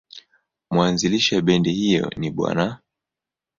Mwanzilishi wa bendi hiyo ni Bw.